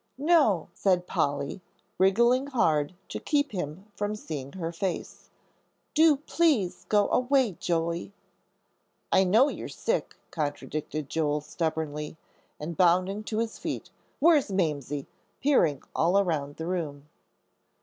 "No," said Polly, wriggling hard to keep him from seeing her face; "do, please, go away, Joey." "I know you're sick," contradicted Joel, stubbornly; and bounding to his feet, "Where's Mamsie?" peering all around the room.